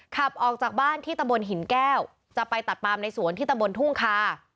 ขับออกจากบ้านที่ตำบลหินแก้วจะไปตัดปามในสวนที่ตำบลทุ่งคา